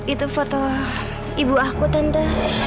itu foto ibu aku tanda